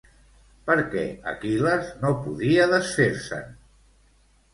Per què Aquil·les no podia desfer-se'n?